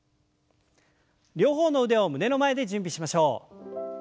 両方の腕を胸の前で準備しましょう。